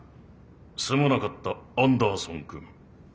すまなかったアンダーソンくん。